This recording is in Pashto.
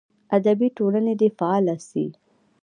ادبي ټولنې دې فعاله سي.